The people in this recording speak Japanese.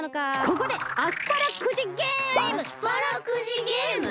ここでアスパラくじゲーム！